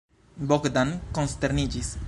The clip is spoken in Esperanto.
Bogdan konsterniĝis.